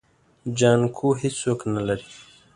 جانکو هيڅوک نه لري.